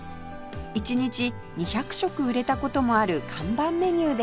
一日２００食売れた事もある看板メニューです